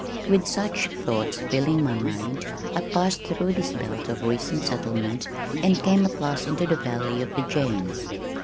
With such thoughts filling my mind, I passed through this belt of recent settlement and came at last into the valley of the James.